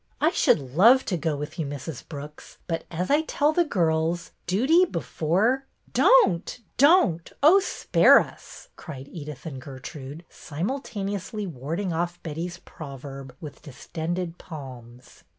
" I should love to go with you, Mrs. Brooks, but, as I tell the girls, ' duty before —'"" Don't, don't ! Oh, spare us !" cried Edyth and Gertrude, simultaneously warding off Betty's proverb with distended palms.